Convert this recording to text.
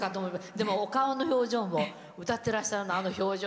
でもお顔の表情も歌ってらっしゃる表情